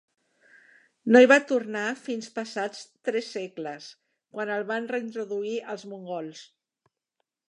No hi va tornar fins passats tres segles, quan el van reintroduir els mongols.